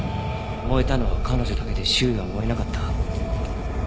燃えたのは彼女だけで周囲は燃えなかった。